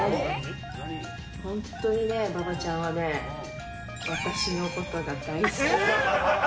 本当にね、馬場ちゃんはね、私のことが大好き。